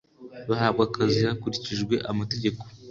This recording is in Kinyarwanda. bahabwa akazi hakurikijwe amategeko